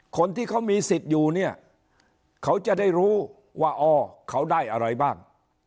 คนที่เขามีสิทธิ์อยู่เนี่ยเขาจะได้รู้ว่าอ๋อเขาได้อะไรบ้าง